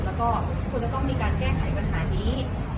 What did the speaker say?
แล้วก็ควรจะต้องมีการแก้ไขปัญหานี้